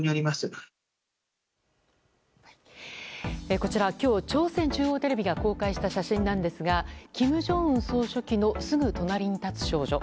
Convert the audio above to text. こちら今日、朝鮮中央テレビが公開した写真なんですが金正恩総書記のすぐ隣に立つ少女。